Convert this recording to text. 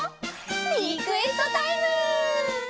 リクエストタイム！